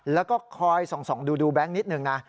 แล้วก็คอยส่องดูแบงค์นิดนึงนะ